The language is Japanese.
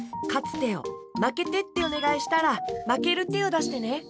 まけてっておねがいしたらまけるてをだしてね。